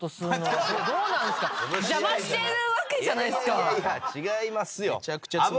いやいやいやいや違いますよ。